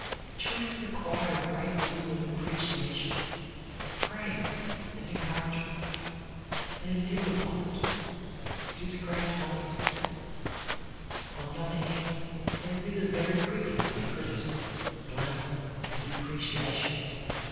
Children require a great deal of appreciation, praise, and encouragement. They live upon it. It is a great tonic to them. On the other hand, they wither very quickly under criticism, blame, or depreciation.